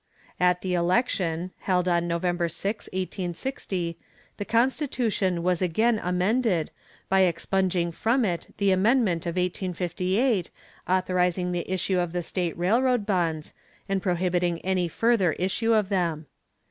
At the election, held on Nov. 6, 1860, the constitution was again amended, by expunging from it the amendment of 1858 authorizing the issue of the state railroad bonds, and prohibiting any further issue of them.